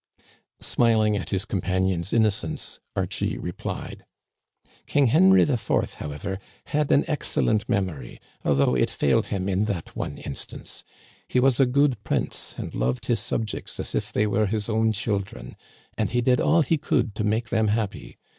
Smiling at his companion's innocence, Archie re plied :*' King Henry IV, however, had an excellent mem ory, although it failed him in that one instance. He was a good prince and loved his subjects as if they were his own children, and he did all he could to make them happy.